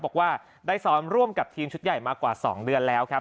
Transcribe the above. บอกว่าได้ซ้อมร่วมกับทีมชุดใหญ่มากว่า๒เดือนแล้วครับ